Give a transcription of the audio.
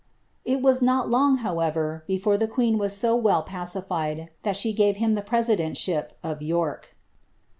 It was not long, however, before the queen was so well pacified, thai she gave him the presidenisliip of York.